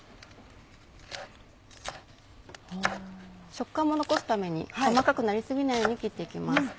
食感も残すために細かくなり過ぎないように切っていきます。